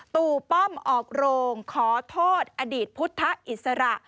ตู่ป้อมออกโรงขอโทษอดีตพุทธอิสระ